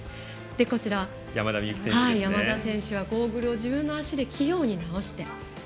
こちら、山田美幸選手はゴーグルを自分の足で器用に直して。